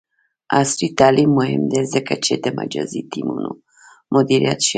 عصري تعلیم مهم دی ځکه چې د مجازی ټیمونو مدیریت ښيي.